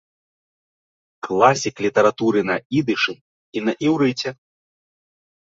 Класік літаратуры на ідышы і на іўрыце.